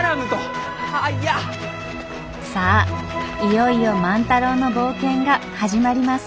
さあいよいよ万太郎の冒険が始まります。